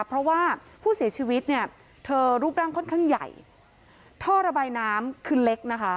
เพราะว่าผู้เสียชีวิตเนี่ยเธอรูปร่างค่อนข้างใหญ่ท่อระบายน้ำคือเล็กนะคะ